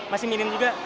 masih minim juga